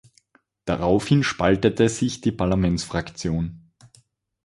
Daraufhin spaltete sich die Parlamentsfraktion.